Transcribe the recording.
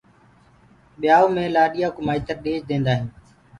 ٻِيآئو مي لآڏيآ ڪو مآئتر ڏيج دينٚدآ هيٚنٚ